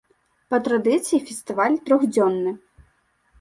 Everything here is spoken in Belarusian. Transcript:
Па традыцыі фестываль трохдзённы.